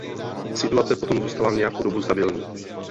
Situace potom zůstala nějakou dobu stabilní.